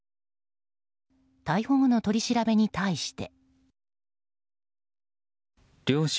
逮捕後の取り調べに対して。